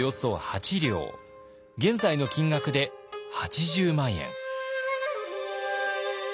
現在の金額で８０万円。